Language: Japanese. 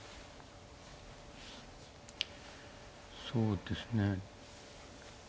そうですね。